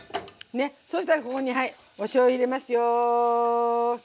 ねそしたらここにはいおしょうゆ入れますよ。